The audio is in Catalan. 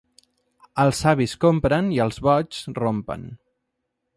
Els savis compren i els boigs rompen.